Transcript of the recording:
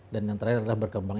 dan yang terakhir adalah berkembang